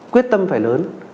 quyết tâm phải lớn